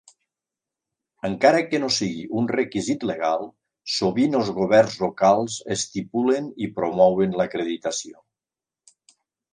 Encara que no sigui un requisit legal, sovint els governs locals estipulen i promouen l'acreditació.